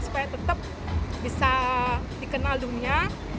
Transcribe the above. supaya tetap bisa dikenal dunia